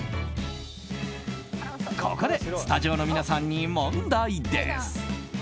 ここで、スタジオの皆さんに問題です。